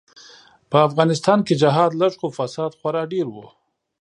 به افغانستان کی جهاد لږ خو فساد خورا ډیر وو.